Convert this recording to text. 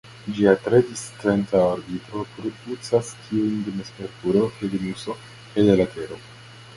Ĝia tre discentra orbito krucas tiujn de Merkuro, de Venuso kaj de la Tero.